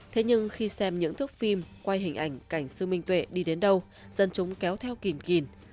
thế nhưng khi xem những thước phim quay hình ảnh cảnh sư minh tuệ đi đến đâu dân chúng kéo theo kìm kìn